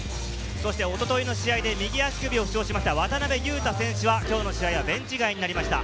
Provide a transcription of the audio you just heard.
おとといの試合で右足首を負傷した渡邊雄太選手は、きょうの試合はベンチ外になりました。